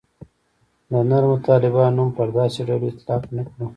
د نرمو طالبانو نوم پر داسې ډلو اطلاق نه کړو.